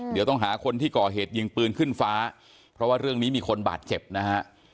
เดี๋ยวต้องหาคนที่ก่อเหตุยิงปืนขึ้นฟ้าเพราะว่าเรื่องนี้มีคนบาดเจ็บนะฮะ